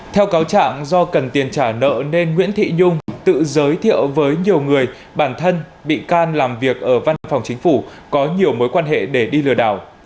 theo cáo trạng do cần tiền trả nợ nên nguyễn thị nhung tự giới thiệu với nhiều người bản thân bị can làm việc ở văn phòng chính phủ có nhiều mối quan hệ để đi lừa đảo